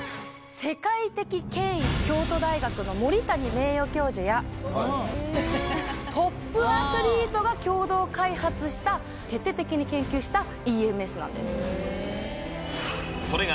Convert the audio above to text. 世界的権威京都大学の森谷名誉教授やトップアスリートが共同開発した徹底的に研究したＥＭＳなんですそれが